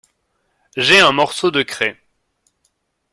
J’ai un morceau de craie.